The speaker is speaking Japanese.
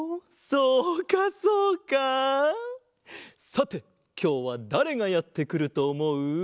さてきょうはだれがやってくるとおもう？